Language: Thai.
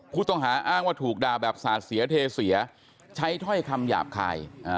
ผู้ต้องหาอ้างว่าถูกด่าแบบสาดเสียเทเสียใช้ถ้อยคำหยาบคาย